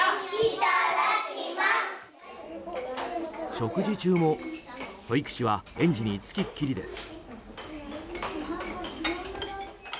食事中も保育士は園児につきっきりです。